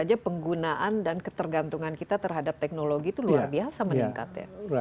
karena penggunaan dan ketergantungan kita terhadap teknologi itu luar biasa meningkat ya